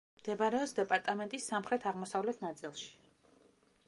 მდებარეობს დეპარტამენტის სამხრეთ-აღმოსავლეთ ნაწილში.